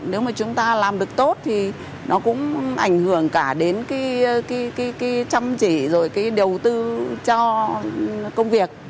nếu mà chúng ta làm được tốt thì nó cũng ảnh hưởng cả đến cái chăm chỉ rồi cái đầu tư cho công việc